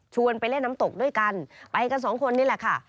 ไปเล่นน้ำตกด้วยกันไปกันสองคนนี่แหละค่ะ